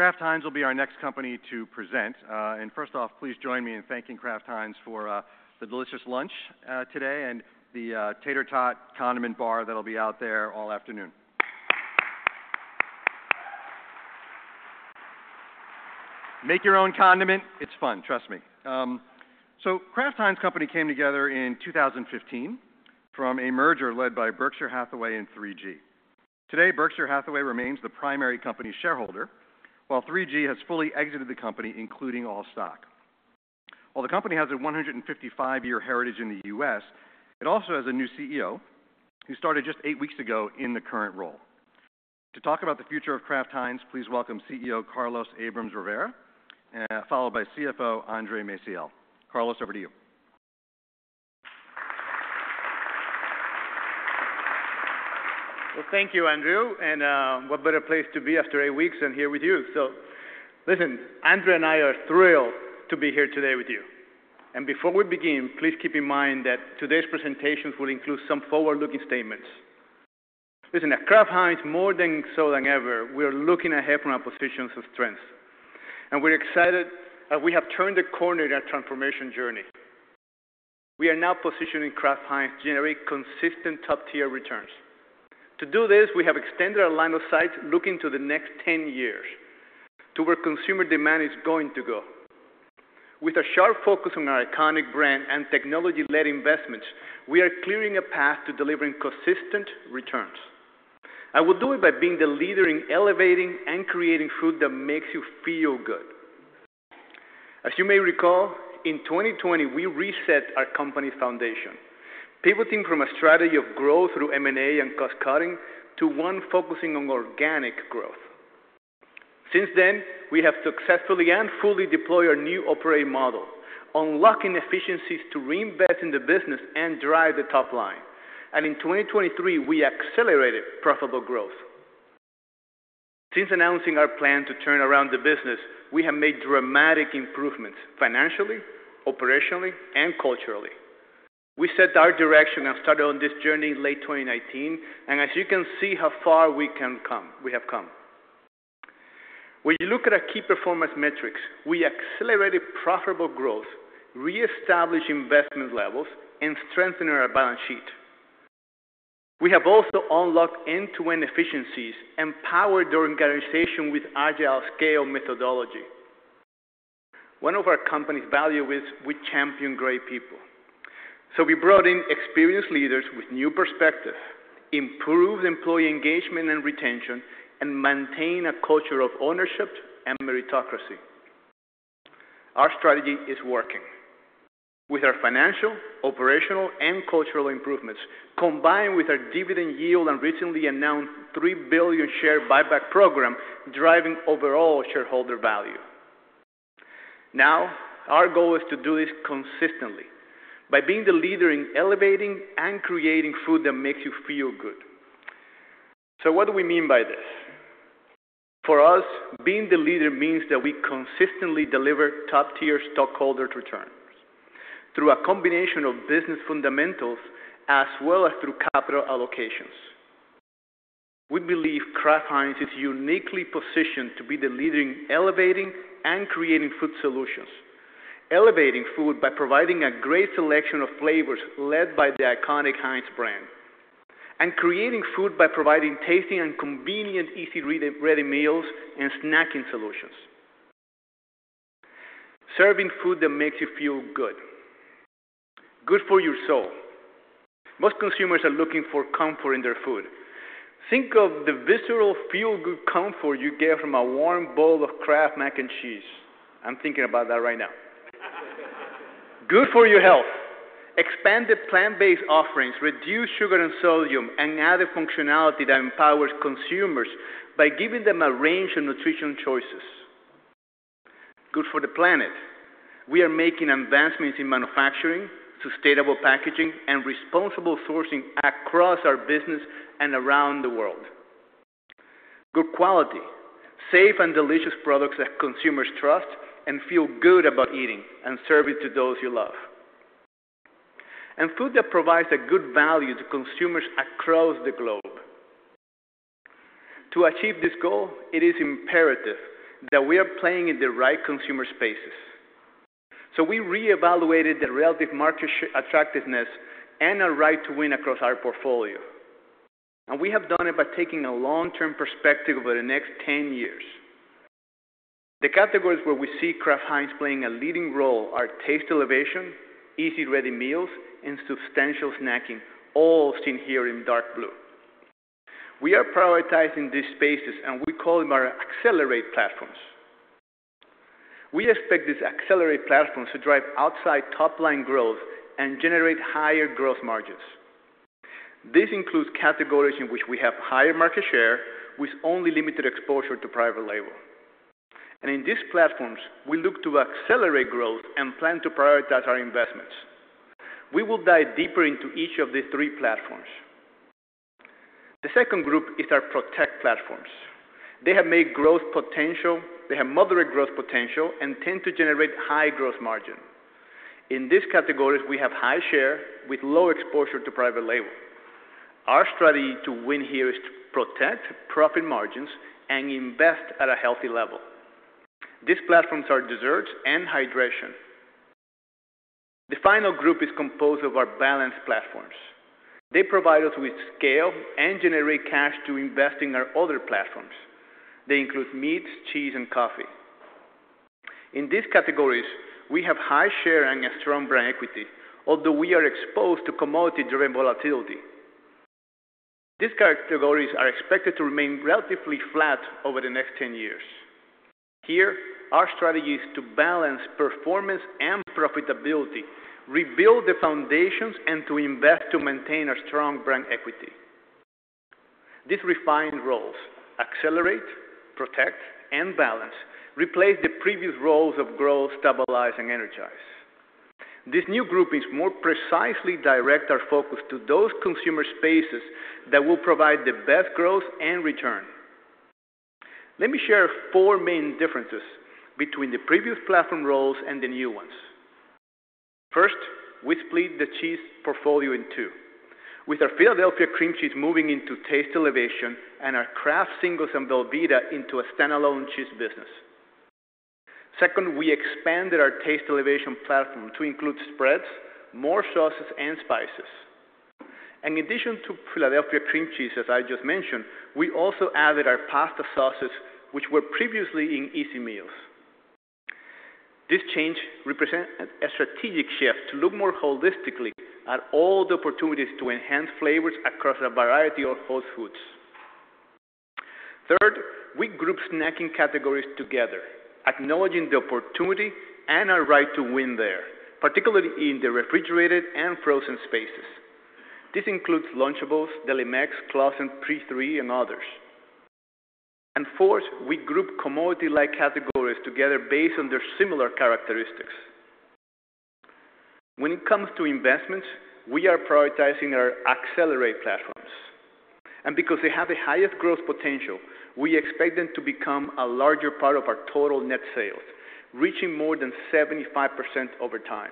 Kraft Heinz will be our next company to present. First off, please join me in thanking Kraft Heinz for the delicious lunch today and the Tater Tot condiment bar that'll be out there all afternoon. Make your own condiment. It's fun, trust me. Kraft Heinz Company came together in 2015 from a merger led by Berkshire Hathaway and 3G. Today, Berkshire Hathaway remains the primary company shareholder, while 3G has fully exited the company, including all stock. While the company has a 155-year heritage in the U.S., it also has a new CEO who started just 8 weeks ago in the current role. To talk about the future of Kraft Heinz, please welcome CEO Carlos Abrams-Rivera, followed by CFO Andre Maciel. Carlos, over to you. Well, thank you, Andrew. And what better place to be after 8 weeks and here with you? So listen, Andre and I are thrilled to be here today with you. And before we begin, please keep in mind that today's presentations will include some forward-looking statements. Listen, at Kraft Heinz, more so than ever, we are looking ahead from our positions of strength. And we're excited as we have turned the corner in our transformation journey. We are now positioning Kraft Heinz to generate consistent top-tier returns. To do this, we have extended our line of sight looking to the next 10 years to where consumer demand is going to go. With a sharp focus on our iconic brand and technology-led investments, we are clearing a path to delivering consistent returns. I will do it by being the leader in elevating and creating food that makes you feel good. As you may recall, in 2020, we reset our company foundation, pivoting from a strategy of growth through M&A and cost-cutting to one focusing on organic growth. Since then, we have successfully and fully deployed our new operating model, unlocking efficiencies to reinvest in the business and drive the top line. In 2023, we accelerated profitable growth. Since announcing our plan to turn around the business, we have made dramatic improvements financially, operationally, and culturally. We set our direction and started on this journey in late 2019. As you can see how far we have come, we have come. When you look at our key performance metrics, we accelerated profitable growth, reestablished investment levels, and strengthened our balance sheet. We have also unlocked end-to-end efficiencies and powered our organization with Agile @ Scale methodology. One of our company's values is we champion great people. So we brought in experienced leaders with new perspectives, improved employee engagement and retention, and maintained a culture of ownership and meritocracy. Our strategy is working, with our financial, operational, and cultural improvements combined with our dividend yield and recently announced $3 billion share buyback program driving overall shareholder value. Now, our goal is to do this consistently by being the leader in elevating and creating food that makes you feel good. So what do we mean by this? For us, being the leader means that we consistently deliver top-tier stockholder returns through a combination of business fundamentals as well as through capital allocations. We believe Kraft Heinz is uniquely positioned to be the leader in elevating and creating food solutions, elevating food by providing a great selection of flavors led by the iconic Heinz brand, and creating food by providing tasty and convenient, easy-ready meals and snacking solutions, serving food that makes you feel good, good for your soul. Most consumers are looking for comfort in their food. Think of the visceral, feel-good comfort you get from a warm bowl of Kraft Mac & Cheese. I'm thinking about that right now. Good for your health. Expand the plant-based offerings, reduce sugar and sodium, and add a functionality that empowers consumers by giving them a range of nutrition choices. Good for the planet. We are making advancements in manufacturing, sustainable packaging, and responsible sourcing across our business and around the world. Good quality. Safe and delicious products that consumers trust and feel good about eating and serving to those you love, and food that provides a good value to consumers across the globe. To achieve this goal, it is imperative that we are playing in the right consumer spaces. So we reevaluated the relative market attractiveness and our right to win across our portfolio. We have done it by taking a long-term perspective over the next 10 years. The categories where we see Kraft Heinz playing a leading role are taste elevation, easy-ready meals, and substantial snacking, all seen here in dark blue. We are prioritizing these spaces, and we call them our accelerate platforms. We expect these accelerate platforms to drive outside top-line growth and generate higher gross margins. This includes categories in which we have higher market share with only limited exposure to private label. In these platforms, we look to accelerate growth and plan to prioritize our investments. We will dive deeper into each of these three platforms. The second group is our protect platforms. They have mature growth potential. They have moderate growth potential and tend to generate high gross margin. In these categories, we have high share with low exposure to private label. Our strategy to win here is to protect profit margins and invest at a healthy level. These platforms are desserts and hydration. The final group is composed of our balance platforms. They provide us with scale and generate cash to invest in our other platforms. They include meats, cheese, and coffee. In these categories, we have high share and a strong brand equity, although we are exposed to commodity-driven volatility. These categories are expected to remain relatively flat over the next 10 years. Here, our strategy is to balance performance and profitability, rebuild the foundations, and to invest to maintain our strong brand equity. These refined roles, accelerate, protect, and balance, replace the previous roles of growth, stabilize, and energize. This new grouping more precisely directs our focus to those consumer spaces that will provide the best growth and return. Let me share four main differences between the previous platform roles and the new ones. First, we split the cheese portfolio in two, with our Philadelphia cream cheese moving into taste elevation and our Kraft Singles and Velveeta into a standalone cheese business. Second, we expanded our taste elevation platform to include spreads, more sauces, and spices. And in addition to Philadelphia cream cheese, as I just mentioned, we also added our pasta sauces, which were previously in easy meals. This change represents a strategic shift to look more holistically at all the opportunities to enhance flavors across a variety of whole foods. Third, we group snacking categories together, acknowledging the opportunity and our right to win there, particularly in the refrigerated and frozen spaces. This includes Lunchables, Delimex, Claussen, P3 and others. Fourth, we group commodity-like categories together based on their similar characteristics. When it comes to investments, we are prioritizing our accelerate platforms. Because they have the highest growth potential, we expect them to become a larger part of our total net sales, reaching more than 75% over time.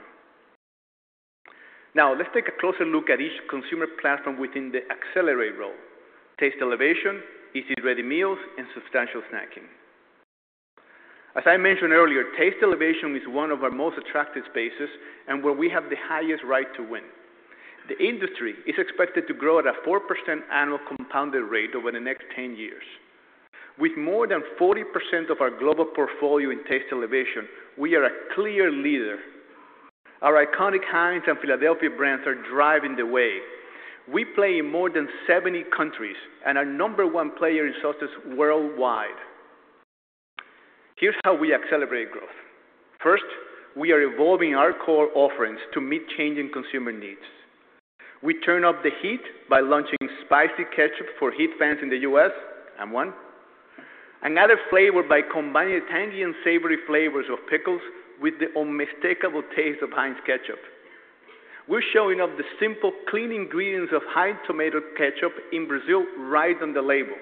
Now, let's take a closer look at each consumer platform within the accelerate role: taste elevation, easy-ready meals, and substantial snacking. As I mentioned earlier, taste elevation is one of our most attractive spaces and where we have the highest right to win. The industry is expected to grow at a 4% annual compounded rate over the next 10 years. With more than 40% of our global portfolio in taste elevation, we are a clear leader. Our iconic Heinz and Philadelphia brands are driving the way. We play in more than 70 countries and are number one player in sauces worldwide. Here's how we accelerate growth. First, we are evolving our core offerings to meet changing consumer needs. We turn up the heat by launching spicy ketchup for heat fans in the U.S., I'm one, and add a flavor by combining the tangy and savory flavors of pickles with the unmistakable taste of Heinz ketchup. We're showing off the simple, clean ingredients of Heinz tomato ketchup in Brazil right on the label.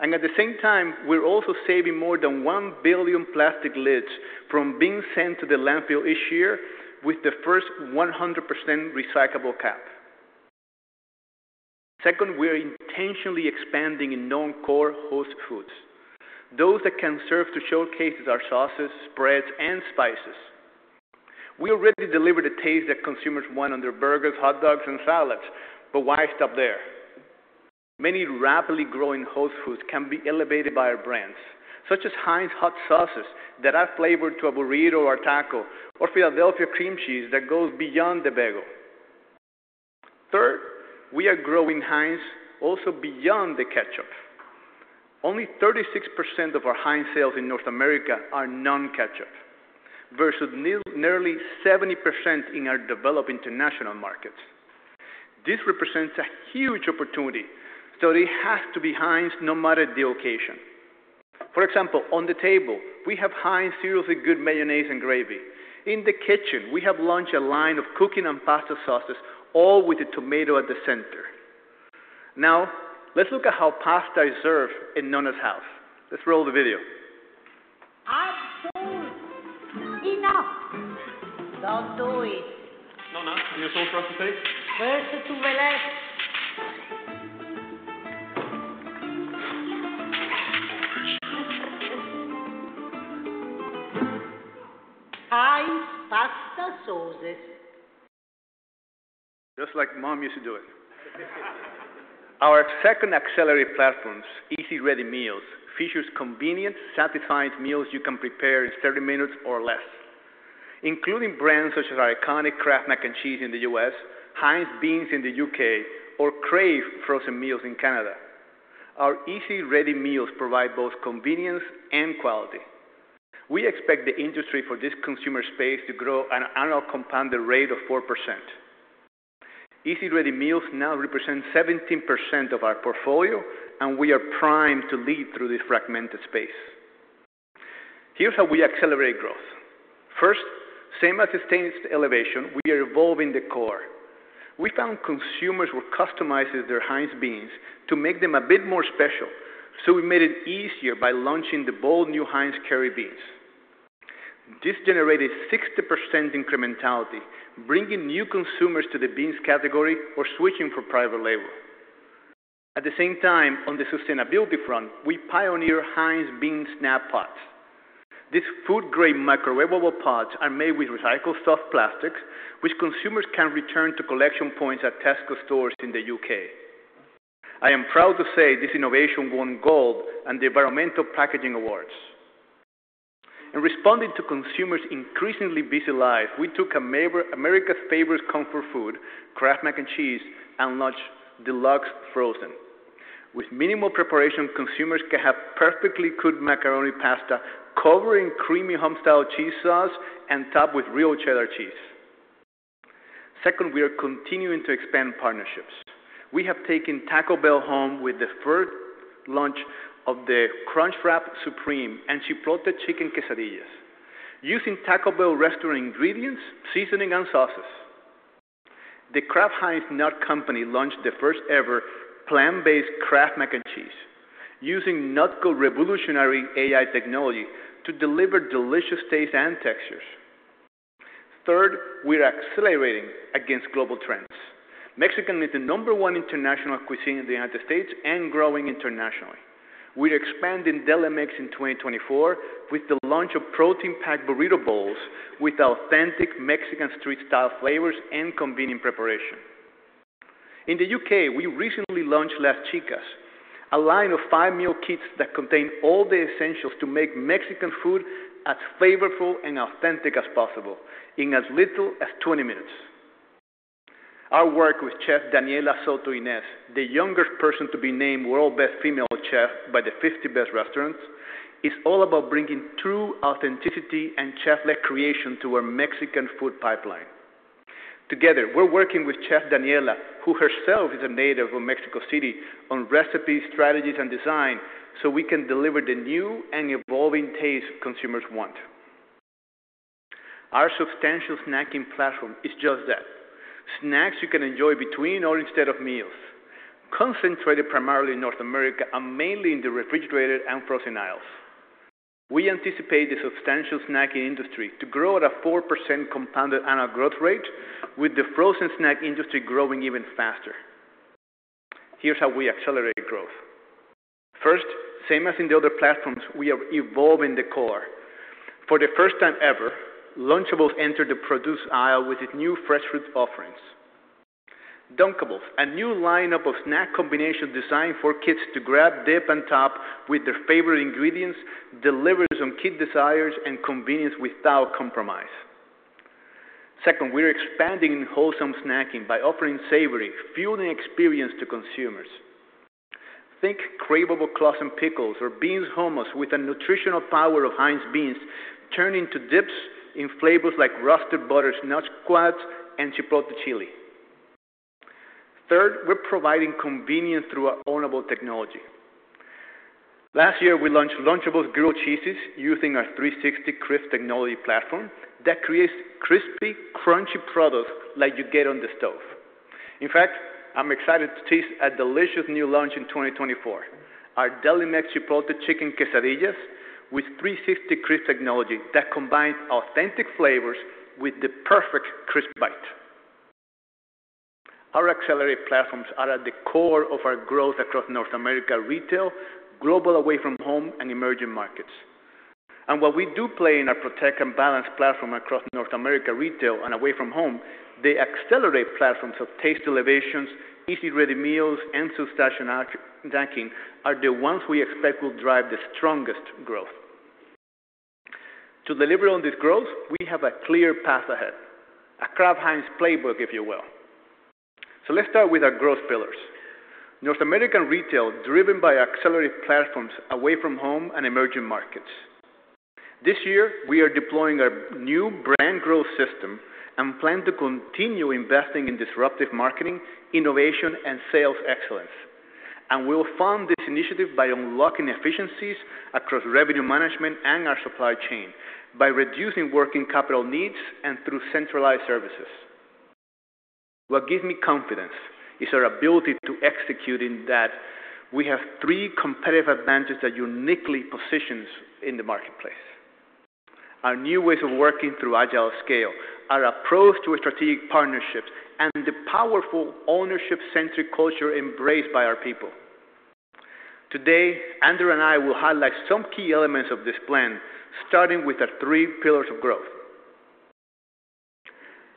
And at the same time, we're also saving more than 1 billion plastic lids from being sent to the landfill each year with the first 100% recyclable cap. Second, we are intentionally expanding in known core whole foods, those that can serve to showcase our sauces, spreads, and spices. We already deliver the taste that consumers want on their burgers, hot dogs, and salads. But why stop there? Many rapidly growing whole foods can be elevated by our brands, such as Heinz hot sauces that add flavor to a burrito or taco, or Philadelphia cream cheese that goes beyond the bagel. Third, we are growing Heinz also beyond the ketchup. Only 36% of our Heinz sales in North America are non-ketchup versus nearly 70% in our developed international markets. This represents a huge opportunity, so it has to be Heinz no matter the occasion. For example, on the table, we have Heinz Seriously Good Mayonnaise and gravy. In the kitchen, we have launched a line of cooking and pasta sauces, all with the tomato at the center. Now, let's look at how pasta is served in Nonna's house. Let's roll the video. Just like Mom used to do it. Our second accelerate platforms, easy-ready meals, feature convenient, satisfying meals you can prepare in 30 minutes or less, including brands such as our iconic Kraft Mac & Cheese in the U.S., Heinz Beanz in the U.K., or Crave frozen meals in Canada. Our easy-ready meals provide both convenience and quality. We expect the industry for this consumer space to grow at an annual compounded rate of 4%. Easy-ready meals now represent 17% of our portfolio, and we are primed to lead through this fragmented space. Here's how we accelerate growth. First, same as sustained elevation, we are evolving the core. We found consumers were customizing their Heinz Beanz to make them a bit more special, so we made it easier by launching the bold new Heinz Curry Beanz. This generated 60% incrementality, bringing new consumers to the beans category or switching for private label. At the same time, on the sustainability front, we pioneered Heinz Beanz Snap Pots. These food-grade microwavable pots are made with recycled soft plastics, which consumers can return to collection points at Tesco stores in the U.K. I am proud to say this innovation won gold and the Environmental Packaging Awards. In responding to consumers' increasingly busy lives, we took America's favorite comfort food, Kraft Mac and Cheese, and launched Deluxe Frozen. With minimal preparation, consumers can have perfectly cooked macaroni pasta covered in creamy homestyle cheese sauce and topped with real cheddar cheese. Second, we are continuing to expand partnerships. We have taken Taco Bell home with the first launch of the Crunchwrap Supreme and Chipotle Chicken Quesadillas, using Taco Bell restaurant ingredients, seasoning, and sauces. The Kraft Heinz Company launched the first-ever plant-based Kraft Mac & Cheese, using next-gen revolutionary AI technology to deliver delicious tastes and textures. Third, we are accelerating against global trends. Mexico is the number one international cuisine in the United States and growing internationally. We are expanding DeliMex in 2024 with the launch of protein-packed burrito bowls with authentic Mexican street-style flavors and convenient preparation. In the UK, we recently launched Las Chicas, a line of five meal kits that contain all the essentials to make Mexican food as flavorful and authentic as possible in as little as 20 minutes. Our work with Chef Daniela Soto-Innes, the youngest person to be named World's Best Female Chef by the World's 50 Best Restaurants, is all about bringing true authenticity and chef-led creation to our Mexican food pipeline. Together, we're working with Chef Daniela, who herself is a native of Mexico City, on recipes, strategies, and design so we can deliver the new and evolving tastes consumers want. Our substantial snacking platform is just that: snacks you can enjoy between or instead of meals, concentrated primarily in North America and mainly in the refrigerated and frozen aisles. We anticipate the substantial snacking industry to grow at a 4% compounded annual growth rate, with the frozen snack industry growing even faster. Here's how we accelerate growth. First, same as in the other platforms, we are evolving the core. For the first time ever, Lunchables entered the produce aisle with its new fresh fruit offerings. Dunkables, a new lineup of snack combinations designed for kids to grab, dip, and top with their favorite ingredients, delivers on kid desires and convenience without compromise. Second, we are expanding in wholesome snacking by offering savory, fueling experience to consumers. Think craveable claussen pickles or beans hummus with the nutritional power of Heinz beans turning into dips in flavors like roasted butternut squash, and Chipotle chili. Third, we're providing convenience through our ownable technology. Last year, we launched Lunchables Grilled Cheesies using our 360 Crisp Technology platform that creates crispy, crunchy products like you get on the stove. In fact, I'm excited to taste a delicious new launch in 2024: our DeliMex Chipotle Chicken Quesadillas with 360 Crisp Technology that combines authentic flavors with the perfect crisp bite. Our accelerate platforms are at the core of our growth across North America retail, global away-from-home, and emerging markets. And while we do play in our protect and balance platform across North American retail and away-from-home, the accelerate platforms of taste elevations, easy-ready meals, and substantial snacking are the ones we expect will drive the strongest growth. To deliver on this growth, we have a clear path ahead, a Kraft Heinz playbook, if you will. So let's start with our growth pillars: North American retail driven by accelerate platforms away-from-home and emerging markets. This year, we are deploying our new Brand Growth System and plan to continue investing in disruptive marketing, innovation, and sales excellence. And we will fund this initiative by unlocking efficiencies across revenue management and our supply chain by reducing working capital needs and through centralized services. What gives me confidence is our ability to execute in that we have three competitive advantages that uniquely position us in the marketplace: our new ways of working through Agile@Scale, our approach to strategic partnerships, and the powerful ownership-centric culture embraced by our people. Today, Andre and I will highlight some key elements of this plan, starting with our three pillars of growth.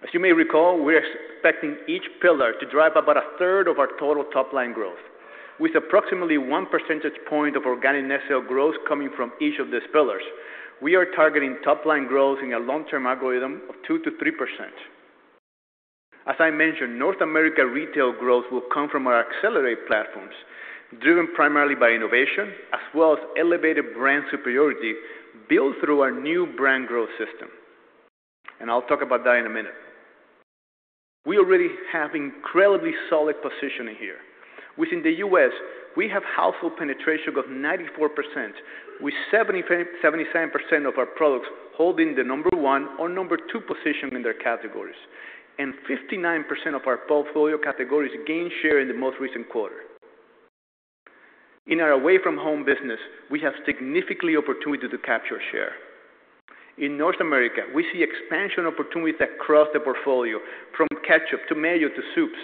As you may recall, we are expecting each pillar to drive about a third of our total top-line growth. With approximately 1 percentage point of organic net sales growth coming from each of these pillars, we are targeting top-line growth in a long-term algorithm of 2%-3%. As I mentioned, North America retail growth will come from our accelerate platforms, driven primarily by innovation as well as elevated brand superiority built through our new Brand Growth System. I'll talk about that in a minute. We already have incredibly solid positioning here. Within the U.S., we have household penetration of 94%, with 77% of our products holding the number one or number two position in their categories, and 59% of our portfolio categories gained share in the most recent quarter. In our away-from-home business, we have significantly opportunity to capture a share. In North America, we see expansion opportunities across the portfolio, from ketchup to mayo to soups.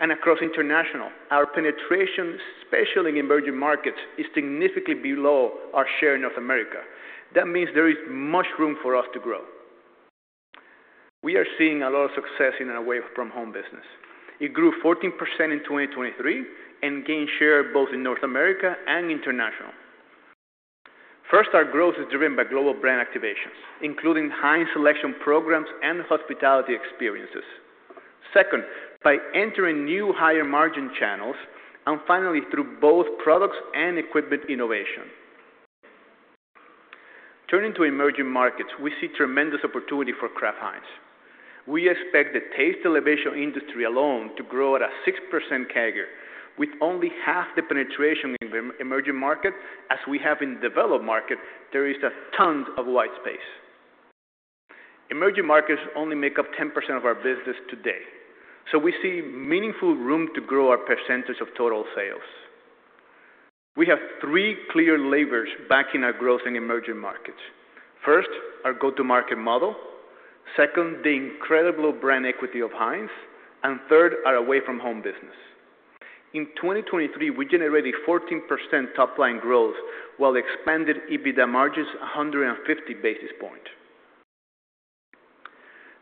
Across international, our penetration, especially in emerging markets, is significantly below our share in North America. That means there is much room for us to grow. We are seeing a lot of success in our away-from-home business. It grew 14% in 2023 and gained share both in North America and international. First, our growth is driven by global brand activations, including Heinz selection programs and hospitality experiences. Second, by entering new higher-margin channels, and finally, through both products and equipment innovation. Turning to emerging markets, we see tremendous opportunity for Kraft Heinz. We expect the taste elevation industry alone to grow at a 6% CAGR, with only half the penetration in emerging markets as we have in developed markets. There is tons of white space. Emerging markets only make up 10% of our business today, so we see meaningful room to grow our percentage of total sales. We have three clear levers backing our growth in emerging markets: first, our go-to-market model. Second, the incredible brand equity of Heinz. And third, our away-from-home business. In 2023, we generated 14% top-line growth while expanded EBITDA margins 150 basis points.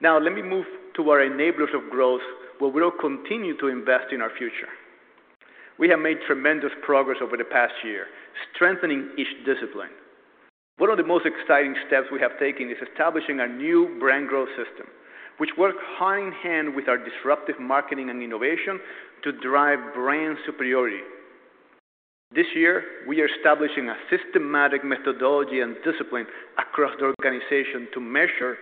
Now, let me move to our enablers of growth where we will continue to invest in our future. We have made tremendous progress over the past year, strengthening each discipline. One of the most exciting steps we have taken is establishing our new Brand Growth System, which works hand in hand with our disruptive marketing and innovation to drive brand superiority. This year, we are establishing a systematic methodology and discipline across the organization to measure,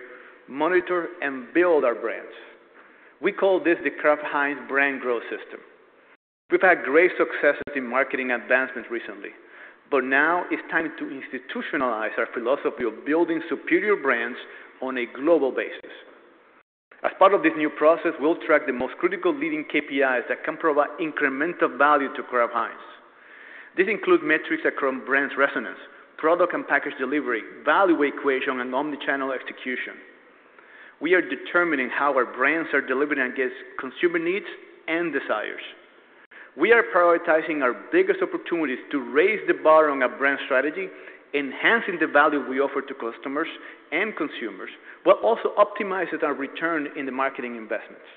monitor, and build our brands. We call this the Kraft Heinz Brand Growth System. We've had great successes in marketing advancements recently, but now it's time to institutionalize our philosophy of building superior brands on a global basis. As part of this new process, we'll track the most critical leading KPIs that can provide incremental value to Kraft Heinz. This includes metrics across brands' resonance, product and package delivery, value equation, and omnichannel execution. We are determining how our brands are delivering against consumer needs and desires. We are prioritizing our biggest opportunities to raise the bar on our brand strategy, enhancing the value we offer to customers and consumers, while also optimizing our return in the marketing investments.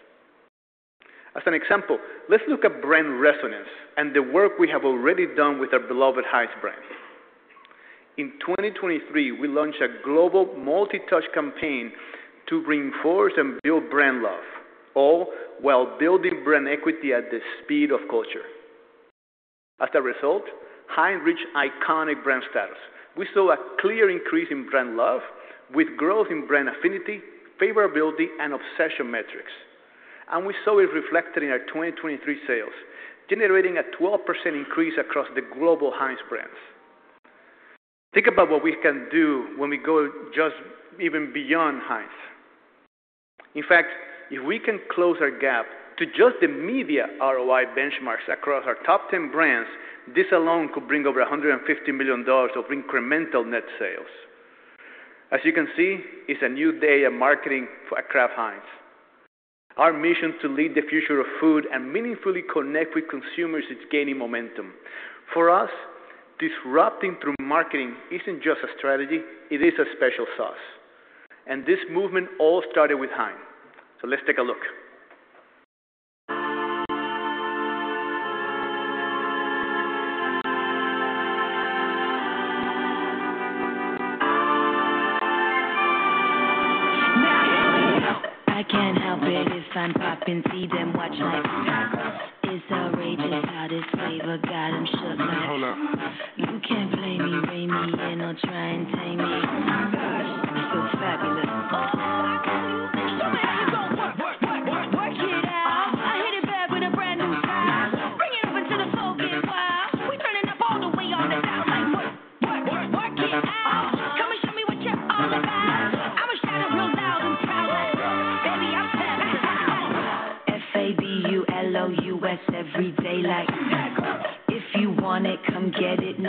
As an example, let's look at brand resonance and the work we have already done with our beloved Heinz brand. In 2023, we launched a global multi-touch campaign to reinforce and build brand love, all while building brand equity at the speed of culture. As a result, Heinz reached iconic brand status. We saw a clear increase in brand love with growth in brand affinity, favorability, and obsession metrics. We saw it reflected in our 2023 sales, generating a 12% increase across the global Heinz brands. Think about what we can do when we go just even beyond Heinz. In fact, if we can close our gap to just the media ROI benchmarks across our top 10 brands, this alone could bring over $150 million of incremental net sales. As you can see, it's a new day of marketing for Kraft Heinz. Our mission to lead the future of food and meaningfully connect with consumers is gaining momentum. For us, disrupting through marketing isn't just a strategy. It is a special sauce. This movement all started with Heinz. Let's take a look. Just getting started.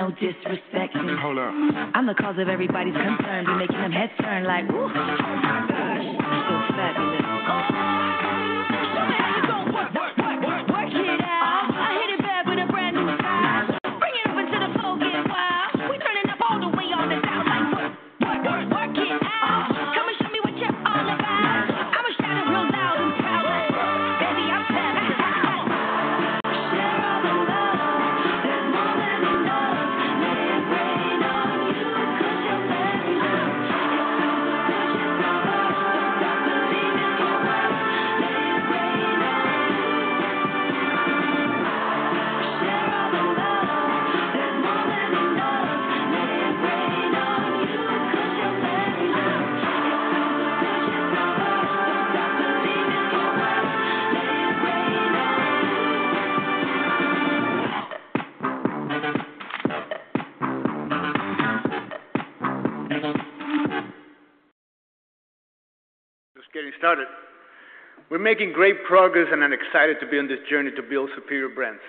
We're making great progress and I'm excited to be on this journey to build superior brands.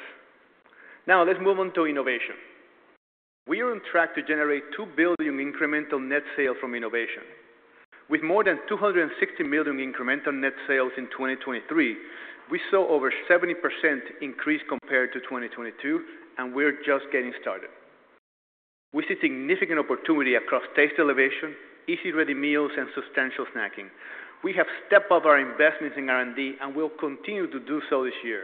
Now, let's move on to innovation. We are on track to generate $2 billion incremental net sales from innovation. With more than $260 million incremental net sales in 2023, we saw over 70% increase compared to 2022, and we're just getting started. We see significant opportunity across taste elevation, easy-ready meals, and substantial snacking. We have stepped up our investments in R&D and will continue to do so this year,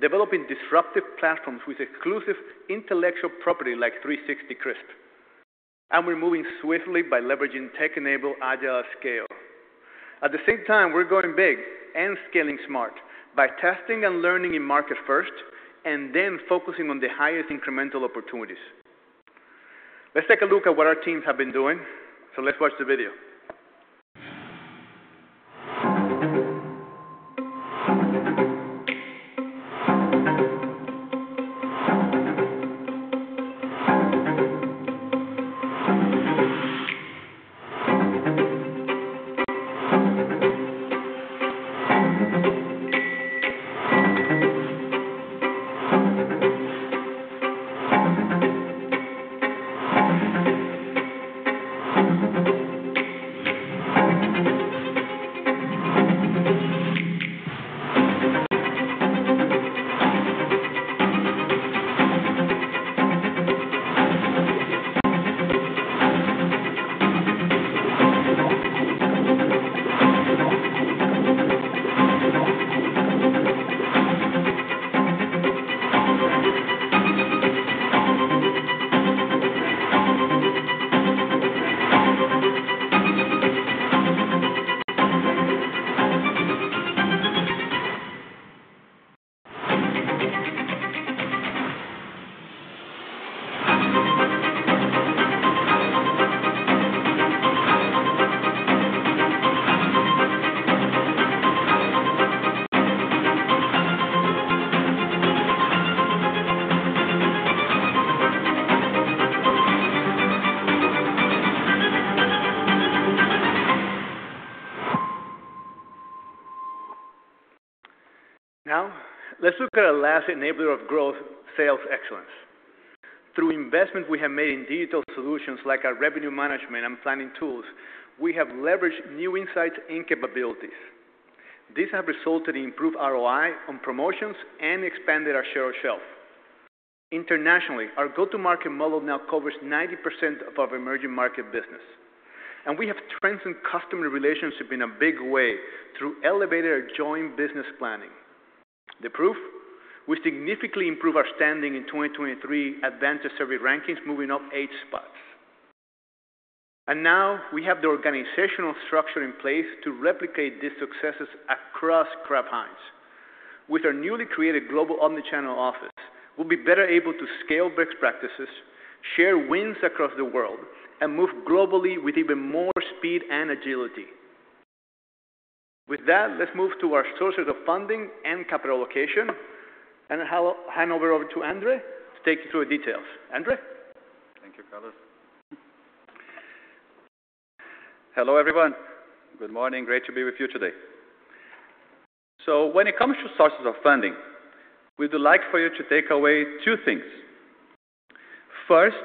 developing disruptive platforms with exclusive intellectual property like 360 Crisp. And we're moving swiftly by leveraging tech-enabled agile scale. At the same time, we're going big and scaling smart by testing and learning in market first and then focusing on the highest incremental opportunities. Let's take a look at what our teams have been doing. So let's watch the video. Now, let's look at our last enabler of growth, sales excellence. Through investments we have made in digital solutions like our revenue management and planning tools, we have leveraged new insights and capabilities. These have resulted in improved ROI on promotions and expanded our share of shelf. Internationally, our go-to-market model now covers 90% of our emerging market business. We have strengthened customer relationships in a big way through elevated joint business planning. The proof? We significantly improved our standing in 2023 advantage survey rankings, moving up eight spots. Now we have the organizational structure in place to replicate these successes across Kraft Heinz. With our newly created Global Omnichannel Office, we'll be better able to scale best practices, share wins across the world, and move globally with even more speed and agility. With that, let's move to our sources of funding and capital allocation. I'll hand over to Andre to take you through the details. Andre? Thank you, Carlos. Hello, everyone. Good morning. Great to be with you today. So when it comes to sources of funding, we would like for you to take away two things. First,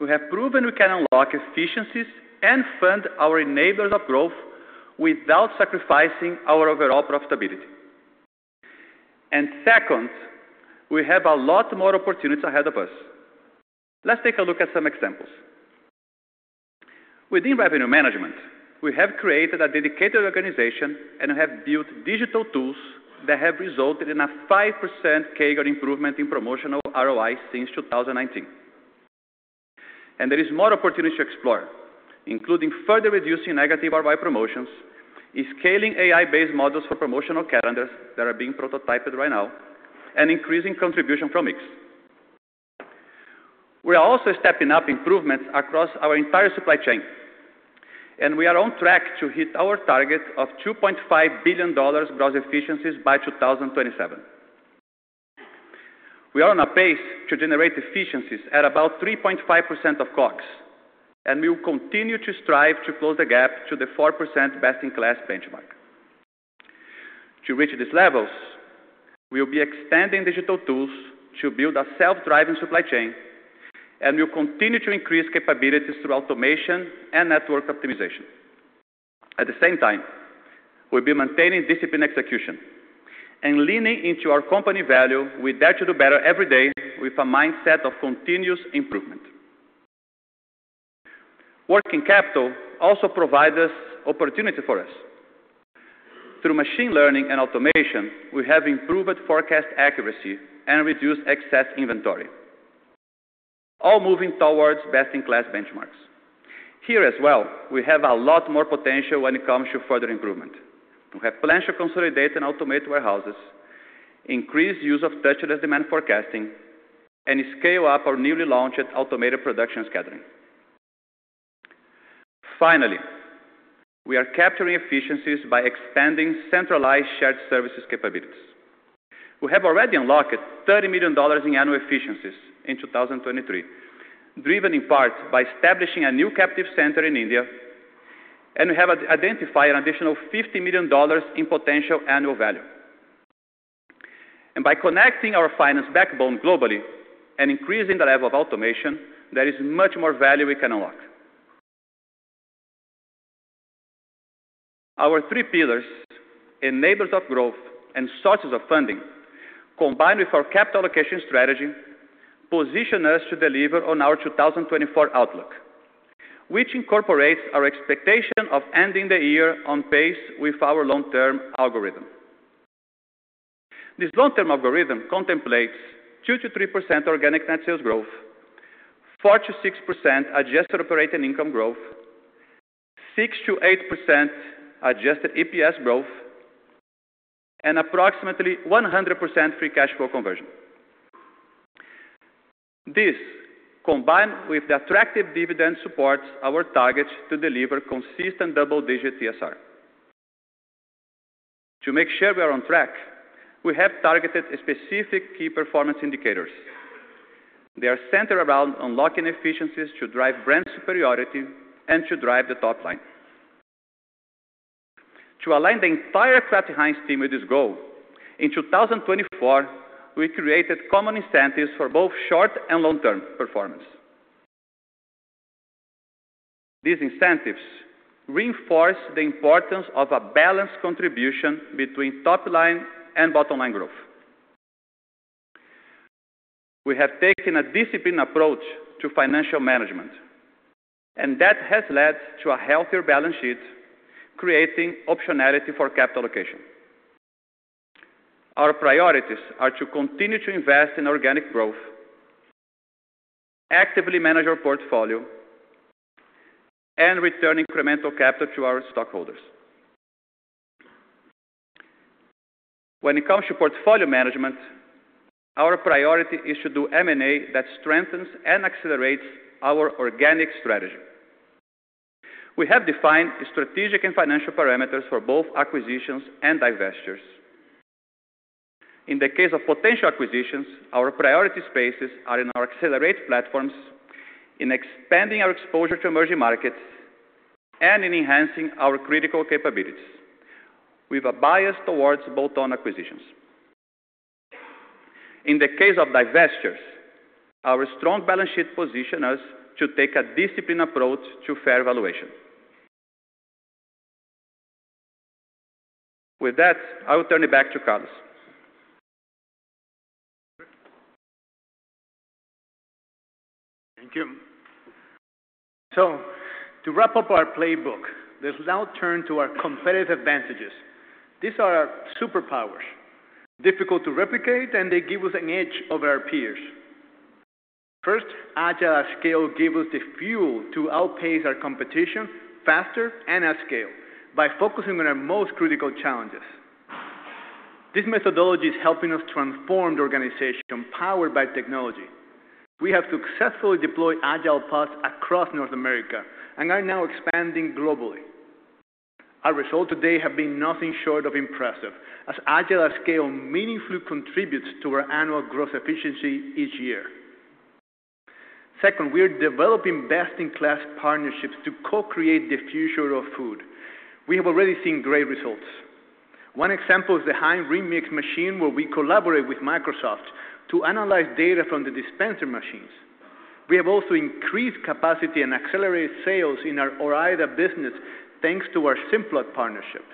we have proven we can unlock efficiencies and fund our enablers of growth without sacrificing our overall profitability. And second, we have a lot more opportunities ahead of us. Let's take a look at some examples. Within revenue management, we have created a dedicated organization and have built digital tools that have resulted in a 5% CAGR improvement in promotional ROI since 2019. And there is more opportunity to explore, including further reducing negative ROI promotions, scaling AI-based models for promotional calendars that are being prototyped right now, and increasing contribution from X. We are also stepping up improvements across our entire supply chain. And we are on track to hit our target of $2.5 billion gross efficiencies by 2027. We are on a pace to generate efficiencies at about 3.5% of COGS. We will continue to strive to close the gap to the 4% best-in-class benchmark. To reach these levels, we will be expanding digital tools to build a self-driving supply chain. We will continue to increase capabilities through automation and network optimization. At the same time, we'll be maintaining discipline execution and leaning into our company value. We dare to do better every day with a mindset of continuous improvement. Working capital also provides opportunity for us. Through machine learning and automation, we have improved forecast accuracy and reduced excess inventory, all moving towards best-in-class benchmarks. Here as well, we have a lot more potential when it comes to further improvement. We have plans to consolidate and automate warehouses, increase use of touchless demand forecasting, and scale up our newly launched automated production scattering. Finally, we are capturing efficiencies by expanding centralized shared services capabilities. We have already unlocked $30 million in annual efficiencies in 2023, driven in part by establishing a new captive center in India. And we have identified an additional $50 million in potential annual value. And by connecting our finance backbone globally and increasing the level of automation, there is much more value we can unlock. Our three pillars, enablers of growth and sources of funding, combined with our capital allocation strategy, position us to deliver on our 2024 outlook, which incorporates our expectation of ending the year on pace with our long-term algorithm. This long-term algorithm contemplates 2%-3% organic net sales growth, 4%-6% adjusted operating income growth, 6%-8% adjusted EPS growth, and approximately 100% free cash flow conversion. This, combined with the attractive dividend, supports our target to deliver consistent double-digit TSR. To make sure we are on track, we have targeted specific key performance indicators. They are centered around unlocking efficiencies to drive brand superiority and to drive the top line. To align the entire Kraft Heinz team with this goal, in 2024, we created common incentives for both short- and long-term performance. These incentives reinforce the importance of a balanced contribution between top line and bottom line growth. We have taken a disciplined approach to financial management. That has led to a healthier balance sheet, creating optionality for capital allocation. Our priorities are to continue to invest in organic growth, actively manage our portfolio, and return incremental capital to our stockholders. When it comes to portfolio management, our priority is to do M&A that strengthens and accelerates our organic strategy. We have defined strategic and financial parameters for both acquisitions and divestitures. In the case of potential acquisitions, our priority spaces are in our accelerate platforms, in expanding our exposure to emerging markets, and in enhancing our critical capabilities with a bias towards bolt-on acquisitions. In the case of divestitures, our strong balance sheet position us to take a disciplined approach to fair valuation. With that, I will turn it back to Carlos. Thank you. So to wrap up our playbook, let's now turn to our competitive advantages. These are our superpowers. Difficult to replicate, and they give us an edge over our peers. First, Agile at Scale gives us the fuel to outpace our competition faster and at scale by focusing on our most critical challenges. This methodology is helping us transform the organization powered by technology. We have successfully deployed agile pods across North America and are now expanding globally. Our results today have been nothing short of impressive, as Agile at Scale meaningfully contributes to our annual gross efficiency each year. Second, we are developing best-in-class partnerships to co-create the future of food. We have already seen great results. One example is the Heinz Remix machine where we collaborate with Microsoft to analyze data from the dispenser machines. We have also increased capacity and accelerated sales in our Ore-Ida business thanks to our Simplot partnership.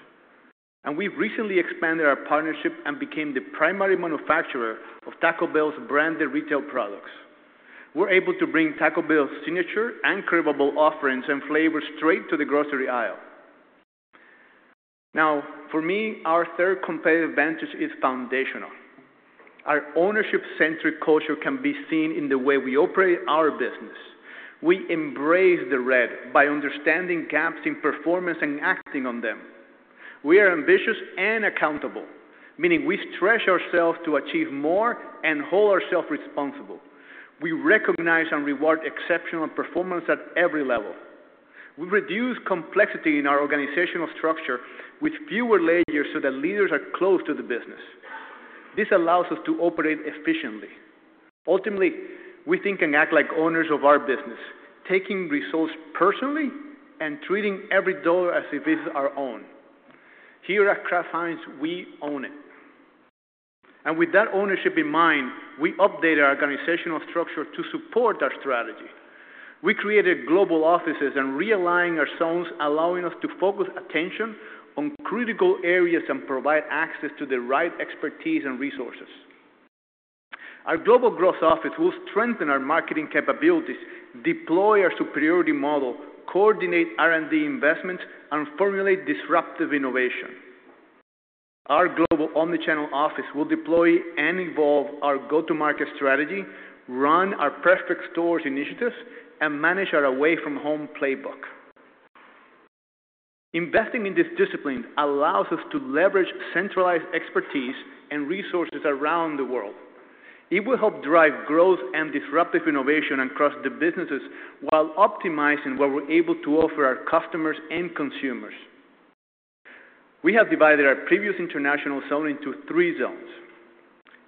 And we've recently expanded our partnership and became the primary manufacturer of Taco Bell's branded retail products. We're able to bring Taco Bell's signature and craveable offerings and flavors straight to the grocery aisle. Now, for me, our third competitive advantage is foundational. Our ownership-centric culture can be seen in the way we operate our business. We embrace the red by understanding gaps in performance and acting on them. We are ambitious and accountable, meaning we stretch ourselves to achieve more and hold ourselves responsible. We recognize and reward exceptional performance at every level. We reduce complexity in our organizational structure with fewer layers so that leaders are close to the business. This allows us to operate efficiently. Ultimately, we think and act like owners of our business, taking results personally and treating every dollar as if it is our own. Here at Kraft Heinz, we own it. With that ownership in mind, we updated our organizational structure to support our strategy. We created global offices and realigned our zones, allowing us to focus attention on critical areas and provide access to the right expertise and resources. Our Global Growth Office will strengthen our marketing capabilities, deploy our superiority model, coordinate R&D investments, and formulate disruptive innovation. Our global omnichannel office will deploy and evolve our go-to-market strategy, run our perfect stores initiatives, and manage our away-from-home playbook. Investing in this discipline allows us to leverage centralized expertise and resources around the world. It will help drive growth and disruptive innovation across the businesses while optimizing what we're able to offer our customers and consumers. We have divided our previous international zone into three zones: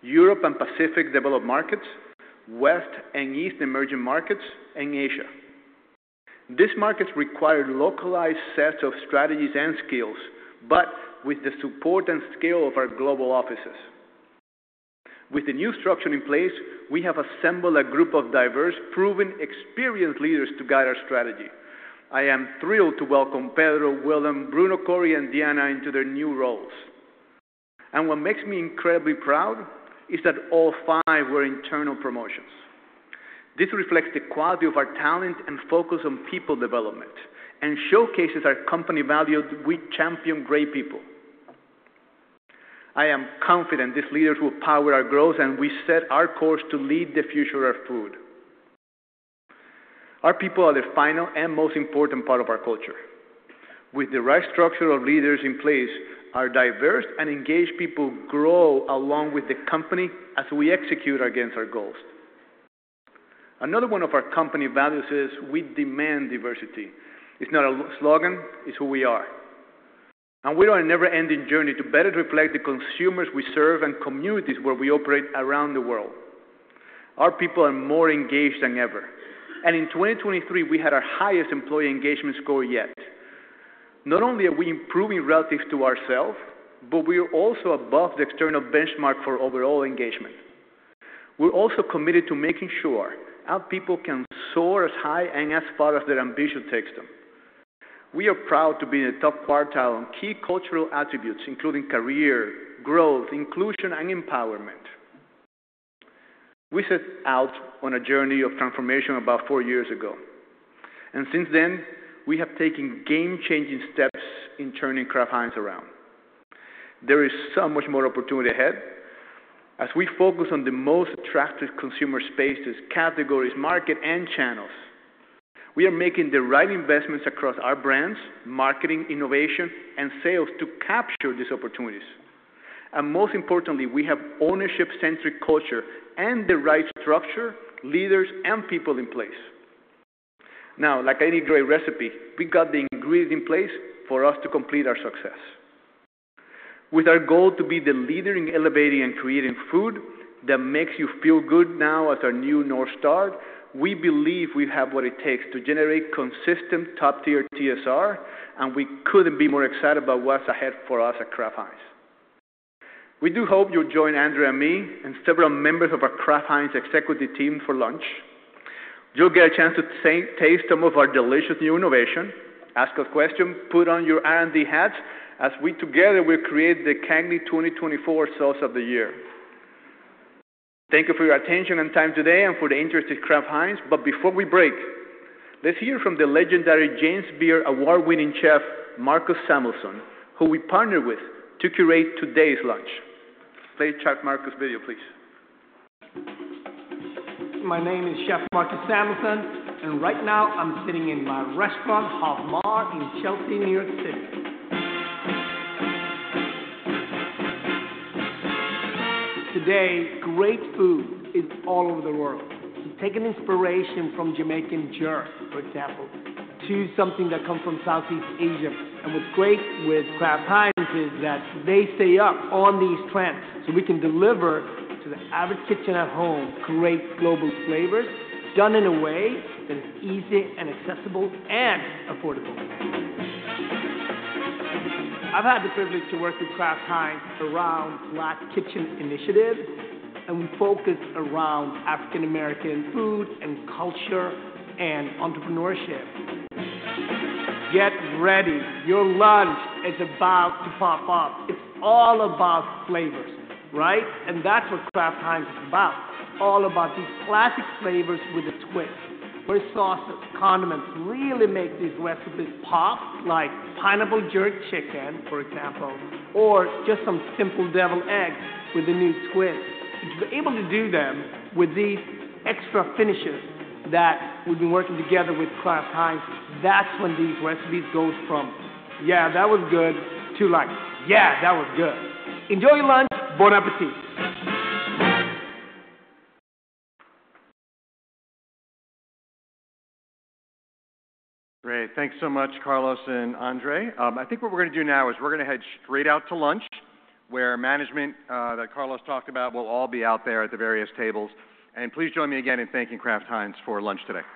Europe and Pacific Developed Markets, West and East Emerging Markets, and Asia. These markets require localized sets of strategies and skills, but with the support and scale of our global offices. With the new structure in place, we have assembled a group of diverse, proven, experienced leaders to guide our strategy. I am thrilled to welcome Pedro, Willem, Bruno, Cory and Diana into their new roles. What makes me incredibly proud is that all five were internal promotions. This reflects the quality of our talent and focus on people development and showcases our company value. We champion great people. I am confident these leaders will power our growth, and we set our course to lead the future of food. Our people are the final and most important part of our culture. With the right structure of leaders in place, our diverse and engaged people grow along with the company as we execute against our goals. Another one of our company values is we demand diversity. It's not a slogan. It's who we are. And we are on a never-ending journey to better reflect the consumers we serve and communities where we operate around the world. Our people are more engaged than ever. And in 2023, we had our highest employee engagement score yet. Not only are we improving relative to ourselves, but we are also above the external benchmark for overall engagement. We're also committed to making sure our people can soar as high and as far as their ambition takes them. We are proud to be in the top quartile on key cultural attributes, including career, growth, inclusion, and empowerment. We set out on a journey of transformation about 4 years ago. Since then, we have taken game-changing steps in turning Kraft Heinz around. There is so much more opportunity ahead. As we focus on the most attractive consumer spaces, categories, markets, and channels, we are making the right investments across our brands, marketing, innovation, and sales to capture these opportunities. Most importantly, we have ownership-centric culture and the right structure, leaders, and people in place. Now, like any great recipe, we got the ingredients in place for us to complete our success. With our goal to be the leader in elevating and creating food that makes you feel good now as our new North Star, we believe we have what it takes to generate consistent top-tier TSR. We couldn't be more excited about what's ahead for us at Kraft Heinz. We do hope you'll join Andre and me and several members of our Kraft Heinz executive team for lunch. You'll get a chance to taste some of our delicious new innovation, ask us questions, put on your R&D hats, as we together will create the CAGNY 2024 Sauce of the Year. Thank you for your attention and time today and for the interest in Kraft Heinz. But before we break, let's hear from the legendary James Beard Award-winning chef, Marcus Samuelsson, who we partnered with to curate today's lunch. Play the Marcus video, please. My name is Chef Marcus Samuelsson. Right now, I'm sitting in my restaurant, Hav & Mar, in Chelsea, New York City. Today, great food is all over the world. Take inspiration from Jamaican jerk, for example, to something that comes from Southeast Asia. What's great with Kraft Heinz is that they stay up on these trends so we can deliver to the average kitchen at home great global flavors done in a way that is easy and accessible and affordable. I've had the privilege to work with Kraft Heinz around Black Kitchen Initiative. We focus around African-American food and culture and entrepreneurship. Get ready. Your lunch is about to pop up. It's all about flavors, right? That's what Kraft Heinz is about. It's all about these classic flavors with a twist where sauces, condiments really make these recipes pop, like pineapple jerk chicken, for example, or just some simple deviled eggs with a new twist. And to be able to do them with these extra finishes that we've been working together with Kraft Heinz, that's when these recipes go from, "Yeah, that was good," to, like, "Yeah, that was good." Enjoy your lunch. Bon appétit. Great. Thanks so much, Carlos and Andre. I think what we're going to do now is we're going to head straight out to lunch, where management that Carlos talked about will all be out there at the various tables. Please join me again in thanking Kraft Heinz for lunch today.